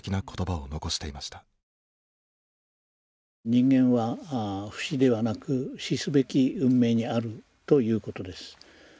人間は不死ではなく死すべき運命にあるということです。